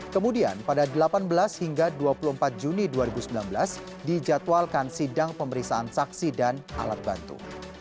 kemudian pada delapan belas hingga dua puluh empat juni dua ribu sembilan belas dijadwalkan sidang pemeriksaan saksi dan alat bantu